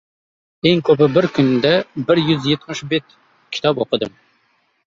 Eng koʻpi bir kunda bir yuz yetmish bet kitob oʻqidim.